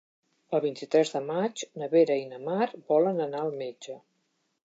El vint-i-tres de maig na Vera i na Mar volen anar al metge.